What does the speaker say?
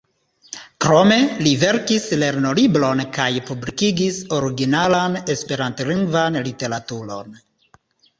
Krome, li verkis lernolibron kaj publikigis originalan esperantlingvan literaturon.